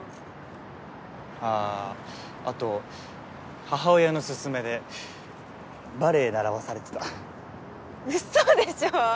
ぁああと母親のすすめでバレエ習わされてたウソでしょ？